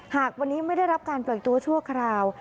หากวันนี้ไม่ได้รับการปล่อยตัวชั่วคราว